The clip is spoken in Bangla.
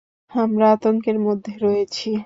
আমরা আতঙ্কের মধ্যে রয়েছি।